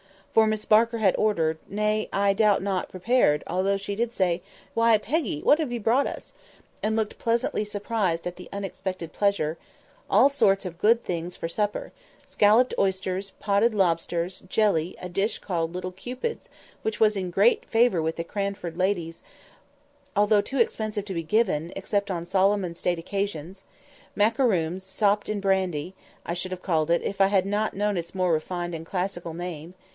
For Miss Barker had ordered (nay, I doubt not, prepared, although she did say, "Why, Peggy, what have you brought us?" and looked pleasantly surprised at the unexpected pleasure) all sorts of good things for supper—scalloped oysters, potted lobsters, jelly, a dish called "little Cupids" (which was in great favour with the Cranford ladies, although too expensive to be given, except on solemn and state occasions—macaroons sopped in brandy, I should have called it, if I had not known its more refined and classical name).